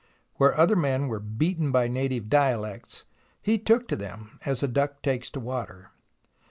Where other men were beaten by native dialects, he took to them as a duck takes to water.